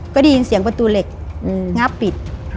ก็ได้ยินเสียงประตูเหล็กงาบปิด